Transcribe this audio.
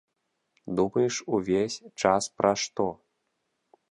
Думаеш увесь час пра што?